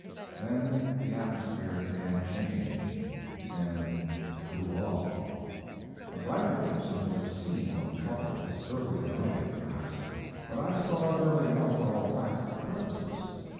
Then the atmosphere began to change; began to cool off. A brighter person would have seen what the trouble was, earlier than I did, perhaps, but I saw it early enough for all practical purposes.